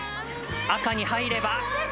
赤に入れば。